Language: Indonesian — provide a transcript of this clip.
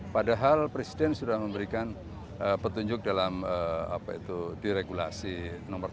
padahal presiden sudah memberikan petunjuk dalam apa itu di regulasi nomor tiga